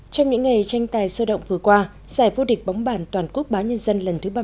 trong những ngày tranh tài sôi động vừa qua giải vô địch bóng bàn toàn quốc báo nhân dân lần thứ ba mươi tám